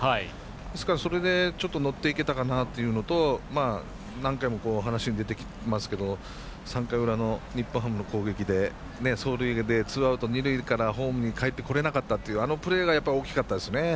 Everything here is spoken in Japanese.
ですから、ちょっとのっていけたかなというところと何度も、話に出てきますが３回裏の日本ハムの攻撃で走塁でツーアウト二塁からホームにかえってこれなかったっていう、あのプレーが大きかったですね。